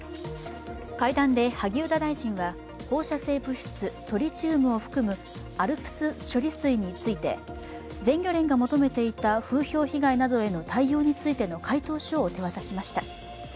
会談で萩生田大臣は放射性物質、トリチウムを含むＡＬＰＳ処理水について、全漁連が求めていた風評被害などへの対応についての回答書を手渡しました。